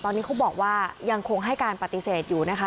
ตอนนี้เขาบอกว่ายังคงให้การปฏิเสธอยู่นะคะ